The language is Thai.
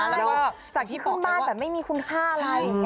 แล้วจากที่บอกไว้ว่าขึ้นบ้านแบบไม่มีคุณค่าอะไรอย่างนี้